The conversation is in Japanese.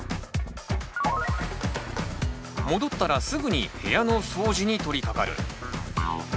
戻ったらすぐに部屋の掃除に取りかかる。